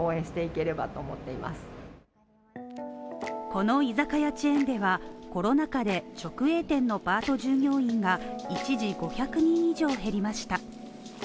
この居酒屋チェーンでは、コロナ禍で直営店のパート従業員が一時５００人以上減りました。